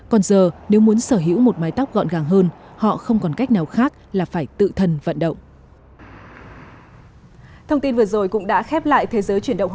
còn giờ nếu muốn sở hữu một mái tóc gọn gàng hơn họ không còn cách nào khác là phải tự thân vận động